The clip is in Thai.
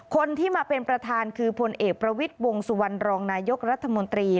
คนที่มาเป็นประธานคือพลเอกประวิทย์วงสุวรรณรองนายกรัฐมนตรี